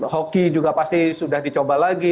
hoki juga pasti sudah dicoba lagi